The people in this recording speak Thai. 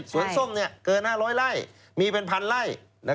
ส่วนส้มเกิน๕๐๐ไร่มีเป็น๑๐๐๐ไร่